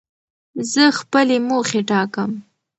زه خپلي موخي ټاکم.